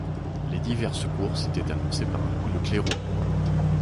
Les diverses courses étaient annoncées par un coup de clairon.